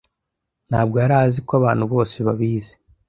Ntabwo yari azi ko abantu bose babizi.